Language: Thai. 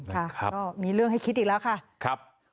ค่ะก็มีเรื่องให้คิดอีกแล้วค่ะครับ